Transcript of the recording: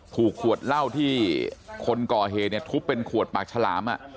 ผูกขวดเหล้าที่คนก่อเหทุบเป็นขวดปากฉลาม